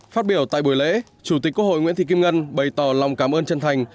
phát biểu tại buổi lễ chủ tịch quốc hội nguyễn thị kim ngân bày tỏ lòng cảm ơn chân thành